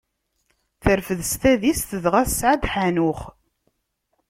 Terfed s tadist dɣa tesɛa-d Ḥanux.